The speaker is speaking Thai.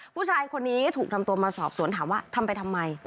ผู้ชายคนนี้ถูกทำตัวมาสอบสวนถามว่าทำไปทำไม